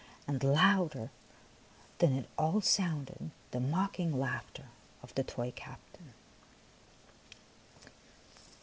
And louder than it all sounded the mocking laughter of the toy captain.